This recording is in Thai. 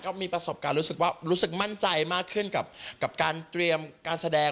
มีประสบการณ์รู้สึกว่ารู้สึกมั่นใจมากขึ้นกับการเตรียมการแสดง